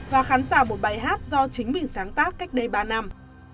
và khán giả một bài hát do chính mình sáng tác cách đây ba năm